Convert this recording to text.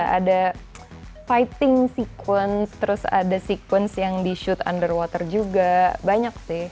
ada fighting sequence terus ada sekuens yang di shoot underwater juga banyak sih